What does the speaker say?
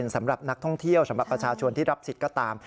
สำหรับนักท่องเที่ยวสำหรับประชาชนที่รับสิทธิ์ก็ตาม